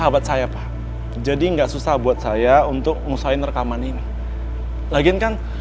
pak jaya silakan